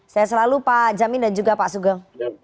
saya selalu pak jamin dan juga pak sugeng